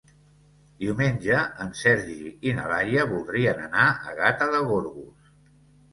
Diumenge en Sergi i na Laia voldrien anar a Gata de Gorgos.